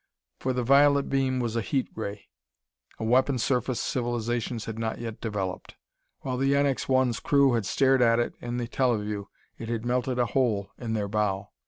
For the violet beam was a heat ray a weapon surface civilizations had not yet developed. While the NX 1's crew had stared at it in the teleview, it had melted a hole in their bow.